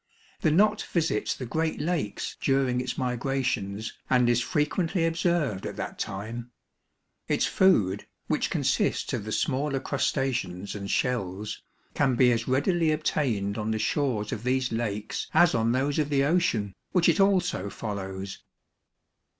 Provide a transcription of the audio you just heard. The Knot visits the great lakes during its migrations and is frequently observed at that time. Its food, which consists of the smaller crustaceans and shells, can be as readily obtained on the shores of these lakes as on those of the ocean, which it also follows.